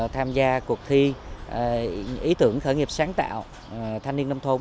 tham gia cuộc thi ý tưởng khởi nghiệp sáng tạo thanh niên nông thôn